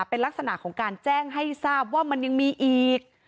เป็นลักษณะของการแจ้งให้ทราบว่ามันยังมีอีก